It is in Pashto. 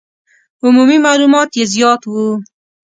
عمومي معلومات یې زیات وو.